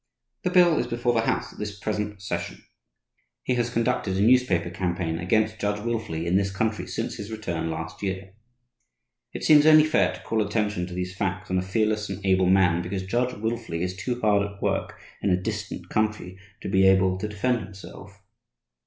The bill is before the House at this present session. He has conducted a newspaper campaign against Judge Wilfley in this country since his return last year. It seems only fair to call attention to these facts on a fearless and able man, because Judge Wilfley is too hard at work in a distant country to be able to defend himself.